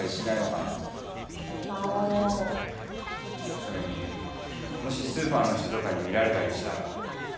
それにもしスーパーの人とかに見られたりしたら。